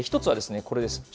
１つはこれです。